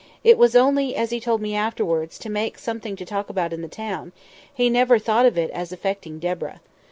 It was only, as he told me afterwards, to make something to talk about in the town; he never thought of it as affecting Deborah.